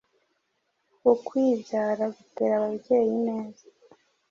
Ukwibyara gutera ababyeyi neza